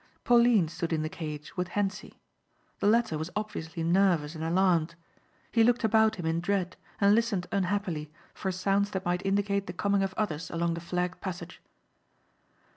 Pauline stood in the cage with Hentzi. The latter was obviously nervous and alarmed. He looked about him in dread and listened unhappily for sounds that might indicate the coming of others along the flagged passage.